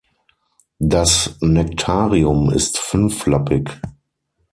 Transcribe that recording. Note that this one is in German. Das Nektarium ist fünflappig.